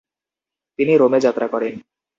তিনি রোমে যাত্রা করেন।